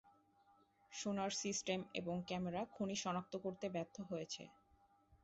সোনার সিস্টেম এবং ক্যামেরা খনি সনাক্ত করতে ব্যর্থ হয়েছে।